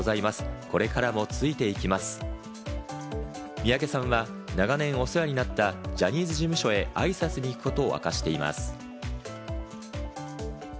三宅さんは長年お世話になったジャニーズ事務所へ挨拶に行くことも明かしています。